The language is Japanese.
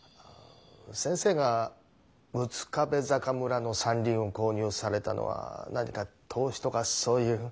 先生が六壁坂村の山林を購入されたのは何か投資とかそういう？